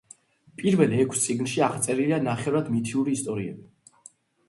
პირველ ექვს წიგნში აღწერილია ნახევრად მითური ისტორიები.